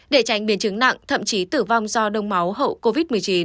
để tránh biến chứng nặng thậm chí tử vong do đông máu hậu covid một mươi chín